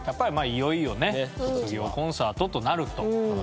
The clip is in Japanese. いよいよね卒業コンサートとなると。